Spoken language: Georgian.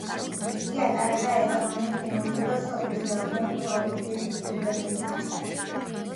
იგი ატარებდა ეკონომიკურ, ფინანსურ და სოფლის მეურნეობის ღონისძიებებს გუბერნიის მასშტაბით.